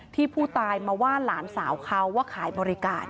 ที่ผู้ตายมาว่าหลานสาวเขาว่าขายบริการ